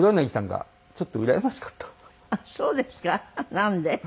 なんで？